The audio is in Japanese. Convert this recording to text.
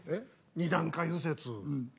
２段階右折。